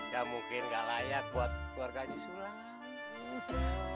gak mungkin gak layak buat keluarga di sulawesi